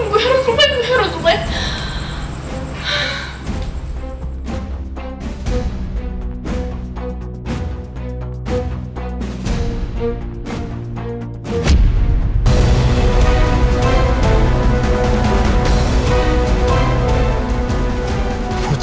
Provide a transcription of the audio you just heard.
padahal tadi ada yang lewat